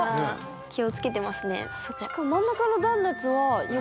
気を付けてますねそこ。